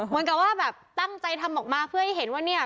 เหมือนกับว่าแบบตั้งใจทำออกมาเพื่อให้เห็นว่าเนี่ย